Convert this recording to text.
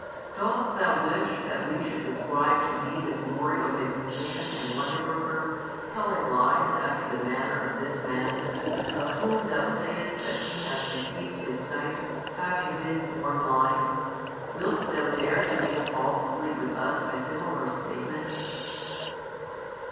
Dost Thou wish that we should ascribe to Thee the glory of a physician and wonder worker, telling lies after the manner of this man, of whom Thou sayest that he has received his sight, having been born blind? Wilt Thou dare to deal falsely with us by similar statements?"